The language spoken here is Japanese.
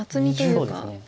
そうですね。